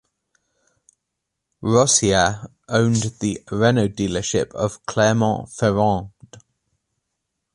Rosier owned the Renault dealership of Clermont-Ferrand.